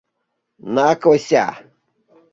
Накося!